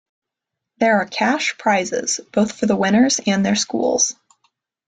There are cash prizes, both for the winners and their schools.